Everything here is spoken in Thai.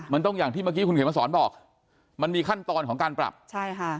มันต้องอย่างที่เมื่อกี้คุณเขียนมาสอนบอกมันมีขั้นตอนของการปรับใช่ค่ะ